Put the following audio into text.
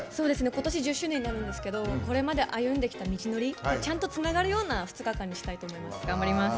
ことし１０周年になるんですけどこれまで歩んできた道のりがちゃんとつながるような２日間にしたいと思います。